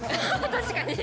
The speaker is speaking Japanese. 確かに！